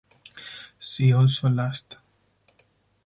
See also Lust.